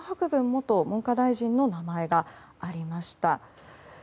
元文科大臣の名前がありました。